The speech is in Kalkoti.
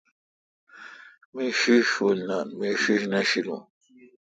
می ݭیݭ شوُل نان۔۔۔۔می ݭیݭ نہ شیلون